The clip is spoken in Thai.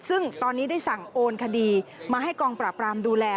ซึ่งตอนนี้ได้สั่งโอนคดีมาให้กองปราบรามดูแล